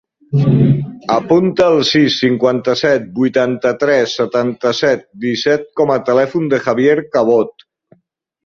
Apunta el sis, cinquanta-set, vuitanta-tres, setanta-set, disset com a telèfon del Javier Cabot.